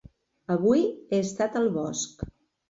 Avui he estat al bosc.